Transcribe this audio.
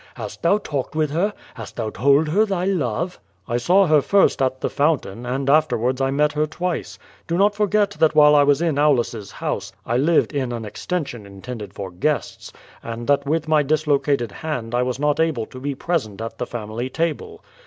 Hast thou talked with her? Hast thou told her thy love?" "I saw her first at the fountain, and afterwards I met her twice. Do not forget that while I was in Aulus's house, I lived in an extension intended for guests — and that with my dislocated hand I was not able to be present at the family table.